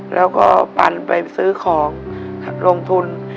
แล้วก็ปั่นไปซื้อของลงทุน